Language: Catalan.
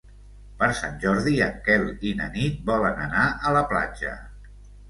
Per Sant Jordi en Quel i na Nit volen anar a la platja.